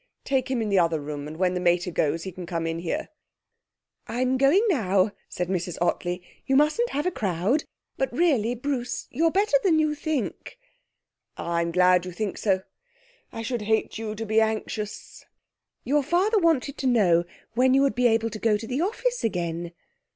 Take him in the other room, and when the mater goes he can come in here.' 'I'm going now,' said Mrs Ottley; 'you mustn't have a crowd. But really, Bruce, you're better than you think.' 'Ah, I'm glad you think so. I should hate you to be anxious.' 'Your father wanted to know when you would be able to go to the office again.'